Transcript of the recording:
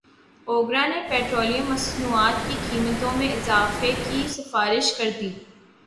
اوگرا نے پیٹرولیم مصنوعات کی قیمتوں میں اضافے کی سفارش کردی